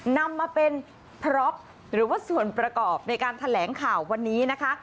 นำมาเป็นพร็อปหรือว่าส่วนประกอบในการแถลงข่าววันนี้นะคะ